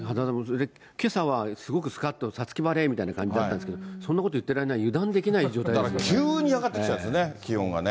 けさはすごくすかっと、五月晴れみたいな感じだったんですけど、そんなこと言ってられな急に上がってきたんですよね、気温がね。